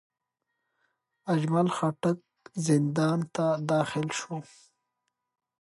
اجمل خټک زندان ته داخل شو.